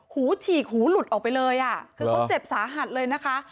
ฉีกหูหลุดออกไปเลยอ่ะคือเขาเจ็บสาหัสเลยนะคะ